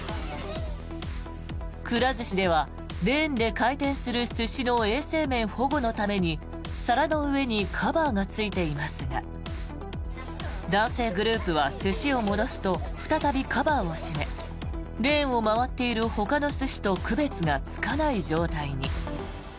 くら寿司ではレーンで回転する寿司の衛生面保護のために皿の上にカバーがついていますが男性グループは寿司を戻すと再びカバーを閉めレーンを回っているほかの寿司と区別がつかない状態に。